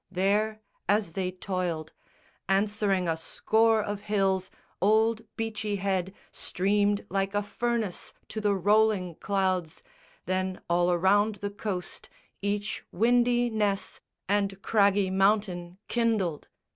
There as they toiled, Answering a score of hills, old Beachy Head Streamed like a furnace to the rolling clouds Then all around the coast each windy ness And craggy mountain kindled.